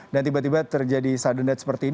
dan tiba tiba terjadi sudden death seperti ini